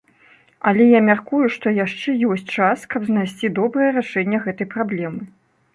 Але я мяркую, што яшчэ ёсць час, каб знайсці добрае рашэнне гэтай праблемы.